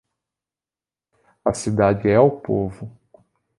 A cidade é o povo.